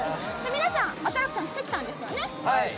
皆さん、アトラクションしてきたんですよね？